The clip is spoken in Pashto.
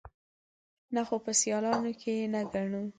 _نه، خو په سيالانو کې يې نه ګڼو.